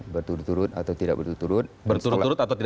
berturut turut atau tidak berturut turut